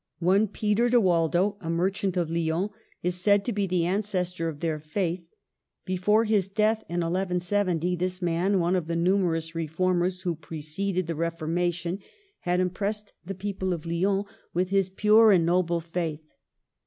One Peter de Waldo, a merchant of Lyons, is said to be the ancestor of their faith. Before his death, in 1 170, this man, one of the numer ous reformers who preceded the Reformation, had impressed the people of Lyons with his DOWNFALL. 259 pure and noble faith.